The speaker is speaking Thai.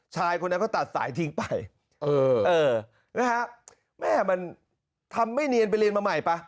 ชายคนนั้นเขาตัดสายทิ้งไปเออนะฮะแม่มันทำไม่เนียนไปเรียนมาใหม่ป่ะ